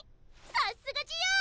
さすがジオ！